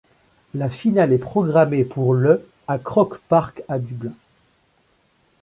La finale est programmé pour le à Croke Park à Dublin.